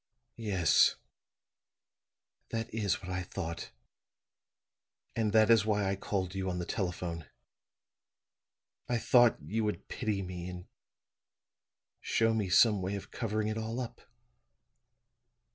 "Yes; that is what I thought, and that is why I called you on the telephone. I thought you would pity me and show me some way of covering it all up.